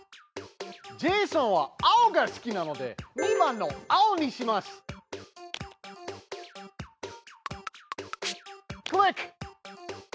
ジェイソンは青が好きなので２番の青にします！クリック！